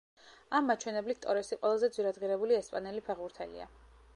ამ მაჩვენებლით ტორესი ყველაზე ძვირადღირებული ესპანელი ფეხბურთელია.